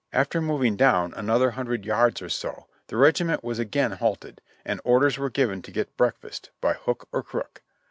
After moving down another hundred yards or so the regiment was again halted, and orders were given to get breakfast, by hook or crook.